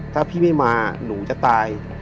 ถ้าพี่ไม่มาหนูจะตาย